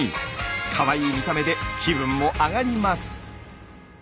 かわいい見た目で気分も上がります。